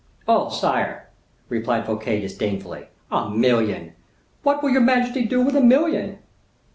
"Oh! sire," replied Fouquet disdainfully, "a million! what will your majesty do with a million?"